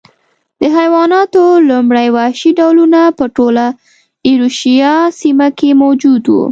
د حیواناتو لومړي وحشي ډولونه په ټوله ایرویشیا سیمه کې موجود و